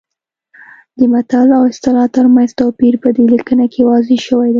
د متل او اصطلاح ترمنځ توپیر په دې لیکنه کې واضح شوی دی